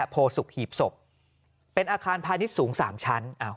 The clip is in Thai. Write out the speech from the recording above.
โพสุกหีบศพเป็นอาคารพาณิชย์สูง๓ชั้น